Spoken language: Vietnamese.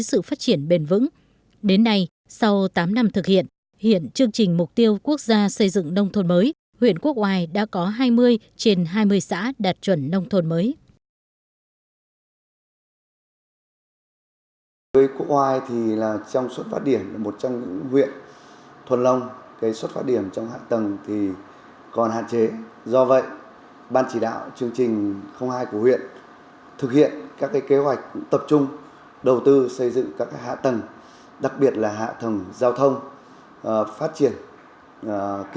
đến nay sau tám năm thực hiện hiện chương trình mục tiêu quốc gia xây dựng nông thôn mới huyện quốc oai đã có hai mươi trên hai mươi xã đạt chuẩn nông thôn mới